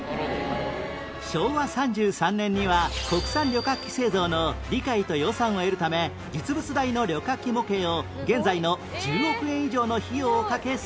昭和３３年には国産旅客機製造の理解と予算を得るため実物大の旅客機模型を現在の１０億円以上の費用をかけ製作